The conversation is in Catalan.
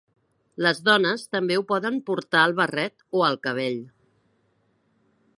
Les dones també ho poden portar al barret o al cabell.